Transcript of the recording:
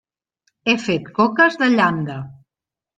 He fet coques de llanda.